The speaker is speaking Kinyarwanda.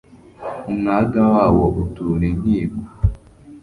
umwaga wabo utura inkiko